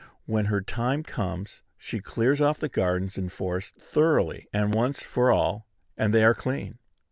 When her time comes, she clears off the gardens and forests thoroughly and once for all, and they are clean.